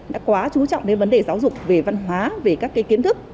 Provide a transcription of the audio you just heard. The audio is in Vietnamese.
đã quá chú trọng đến vấn đề giáo dục về văn hóa về các kiến thức